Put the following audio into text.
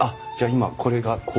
今これがこう。